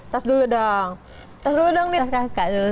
tas dulu dong tas dulu dong disini